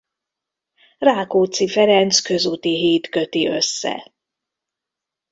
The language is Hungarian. Rákóczi Ferenc közúti híd köti össze.